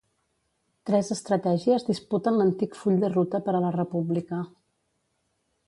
Tres estratègies disputen l'antic full de ruta per a la República.